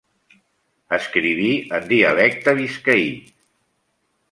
Escriví en dialecte biscaí.